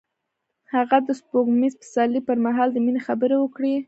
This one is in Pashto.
هغه د سپوږمیز پسرلی پر مهال د مینې خبرې وکړې.